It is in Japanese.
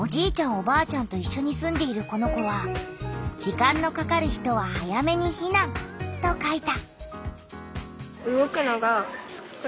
おばあちゃんといっしょに住んでいるこの子は「時間のかかる人は早めにひなん」と書いた。